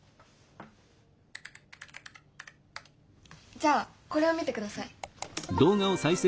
じゃあこれを見てください。